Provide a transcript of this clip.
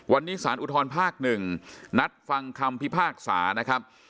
วันนี้สารอุทธรภาค๑นัดฟังคำพิพากษานะครับ